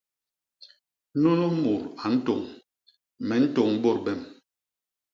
Nunu mut a ntôñ; me ntôñ bôt bem.